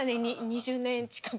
２０年近く。